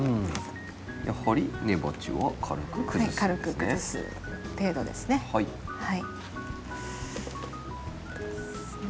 やはり根鉢は軽く崩すんですね。